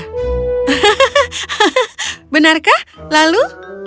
hahaha benarkah lalu